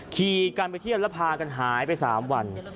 ขี่กันไปเที่ยวแล้วพากันหายไป๓วัน